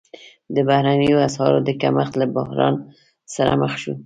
د بهرنیو اسعارو د کمښت له بحران سره مخ شو.